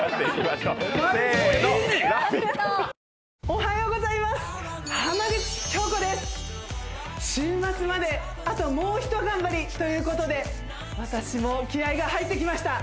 おはようございます浜口京子です週末まであともうひと頑張りということで私も気合が入ってきました